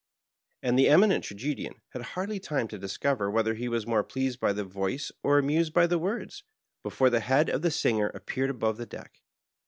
and the Eminent Tragedian had hardly time to discover whether he was more pleased by the voice or amused by the words, before the head of the singer appeared above the deck.